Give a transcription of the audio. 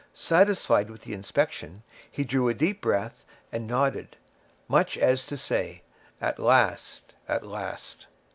Satisfied with the inspection, he drew a deep breath and nodded, much as to say, "At last, at last!"